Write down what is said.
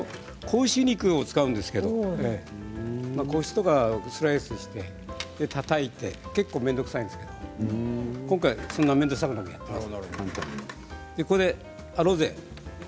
子牛肉を本当は使うんですけれど子牛をスライスしてたたいて結構、面倒くさいんですけれど今回はそんなに面倒くさくなくやっています。